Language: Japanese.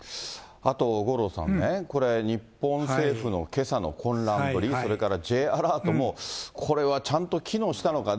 あと五郎さんね、これ、日本政府のけさの混乱ぶり、それからＪアラートも、これはちゃんと機能したのか。